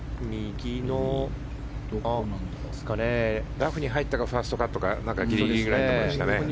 ラフに入ったかファーストカットかギリギリくらいのところでしたね。